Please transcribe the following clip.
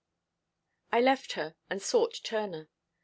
I left her, and sought Turner.